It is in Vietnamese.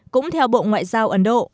cũng theo bộ ngoại giao ấn độ